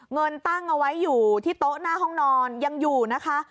เงินตั้งเอาไว้อยู่ที่โต๊ะหน้าห้องนอนยังอยู่นะคะ